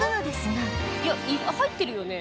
「いや入ってるよね」